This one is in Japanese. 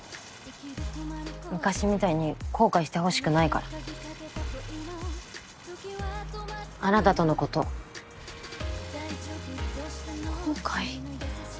昔みたいに後悔してほしくないからあなたとのこと後悔？